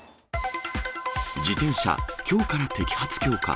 自転車、きょうから摘発強化。